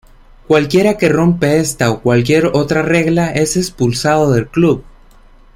Cualquiera que rompa esta o cualquier otra regla es expulsado del club.